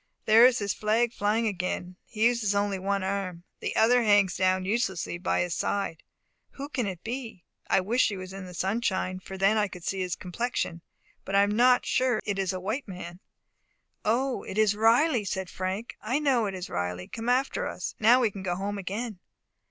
There is his flag flying again. He uses only one arm. The other hangs down uselessly by his side. Who can it be? I wish he was in the sunshine, for then I could see his complexion. But I am sure it is not a white man." "O, it is Riley!" said Frank. "I know it is Riley come after us. Now we can go home again."